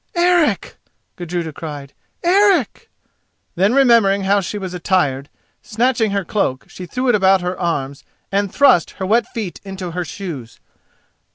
"Eric!" Gudruda cried; "Eric!" Then, remembering how she was attired, snatching her cloak, she threw it about her arms and thrust her wet feet into her shoes.